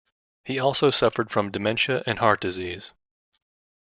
He also suffered from dementia and heart disease.